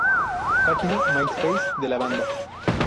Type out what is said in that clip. Página "Myspace" de la banda